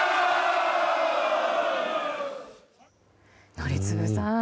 宜嗣さん